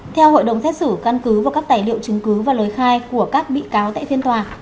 theo hội đồng xét xử căn cứ vào các tài liệu chứng cứ và lời khai của các bị cáo tại phiên tòa